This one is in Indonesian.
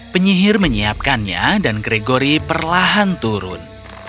penyihir menyiapkannya dan gregory perlahan turun